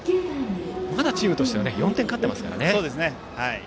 まだチームとしては４点勝っていますからね。